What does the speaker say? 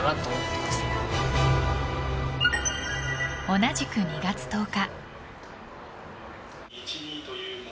同じく２月１０日。